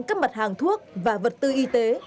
các mặt hàng thuốc và vật tư y tế